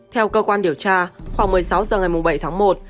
theo cơ quan điều tra khoảng một mươi sáu h ngày bảy tháng một